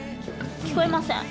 聞こえません。